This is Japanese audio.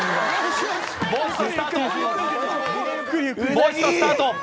もう一度スタート。